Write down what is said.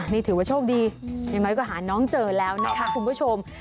นี่ถือว่าโชคดีอย่างน้อยก็หาน้องเจอแล้วนะคะคุณผู้ชม